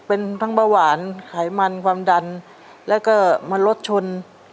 เป็นทั้งเบาหวานไขมันความดันแล้วก็มันรถชน